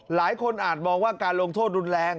หลายคนอาจมองว่าการลงโทษรุนแรง